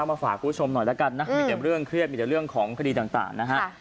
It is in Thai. มาฝากคุณผู้ชมหน่อยแล้วกันนะมีแต่เรื่องเครียดมีแต่เรื่องของคดีต่างนะฮะ